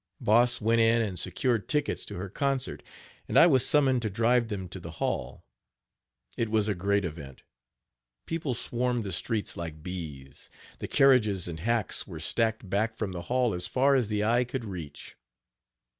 Boss went in and secured tickets to her concert, and I was summoned to drive them to the hall. It was a great event. People swarmed the streets like bees. The carriages and hacks were stacked back from the hall as far as the eye could reach.